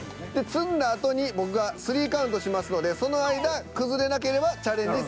積んだあとに僕が３カウントしますのでその間崩れなければチャレンジ